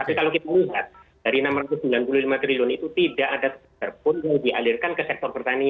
tapi kalau kita lihat dari rp enam ratus sembilan puluh lima triliun itu tidak ada pun yang dialirkan ke sektor pertanian